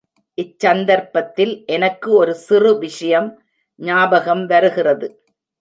இச்சந்தர்ப்பத்தில் எனக்கு ஒரு சிறு விஷயம் ஞாபகம் வருகிறது.